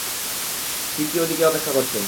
কীর্তি ওদিকে অপেক্ষা করছে।